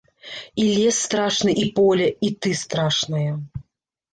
І лес страшны, і поле, і ты страшная.